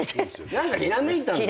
何かひらめいたんだよ。